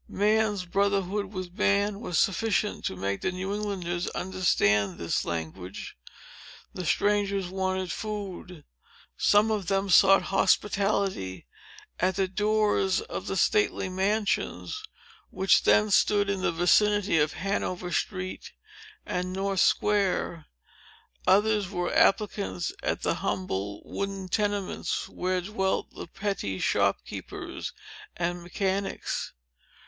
Man's brotherhood with man was sufficient to make the New Englanders understand this language. The strangers wanted food. Some of them sought hospitality at the doors of the stately mansions, which then stood in the vicinity of Hanover Street and the North Square. Others were applicants at the humble wooden tenements, where dwelt the petty shop keepers and mechanics.